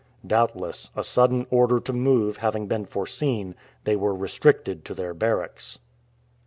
Doubtless, a sudden order to move having been foreseen, they were restricted to their barracks.